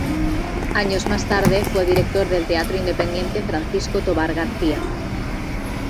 Años más tarde fue director del Teatro Independiente Francisco Tobar García.